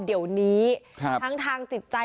เดี๋ยวนี้ทั้งทางจิตใจ